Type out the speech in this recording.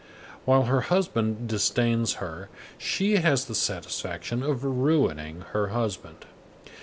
While her husband disdains her, she has the satisfaction of ruining her husband."